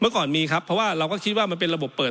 เมื่อก่อนมีครับเพราะว่าเราก็คิดว่ามันเป็นระบบเปิด